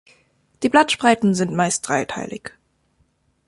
Die Blattspreiten sind meist dreiteilig.